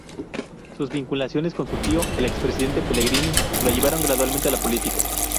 Sus vinculaciones con su tío, el expresidente Pellegrini, lo llevaron gradualmente a la política.